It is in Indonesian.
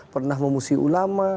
pernah memusuhi ulama